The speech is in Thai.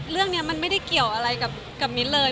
เรื่องนี้มันไม่ได้เกี่ยวอะไรกับมิ้นเลย